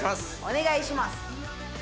お願いします。